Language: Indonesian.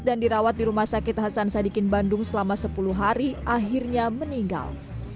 dan dirawat di rumah sakit hasan sadikin bandung selama sepuluh hari akhirnya meninggal